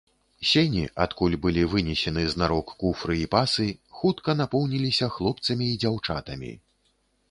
Сені, адкуль былі вынесены знарок куфры і пасы, хутка напоўніліся хлопцамі і дзяўчатамі.